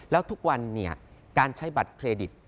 แล้วทุกวันการใช้บัตรเครดิต